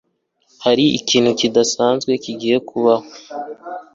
Hari ikintu kidasanzwe kigiye kubaho